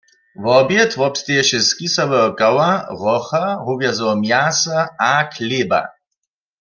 Wobjed wobsteješe z kisałeho kała, hrocha, howjazeho mjasa a chlěba.